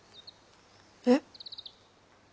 えっ？